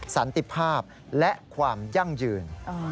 สันติภาพและความยั่งยืน